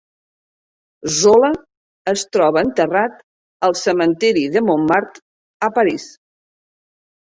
Zola es troba enterrat al cementiri de Montmartre a París.